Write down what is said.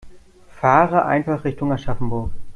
Fahre einfach Richtung Aschaffenburg